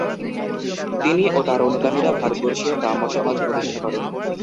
তিনি ও তার অনুগামীরা ভারতবর্ষীয় ব্রাহ্মসমাজ প্রতিষ্ঠা করেন।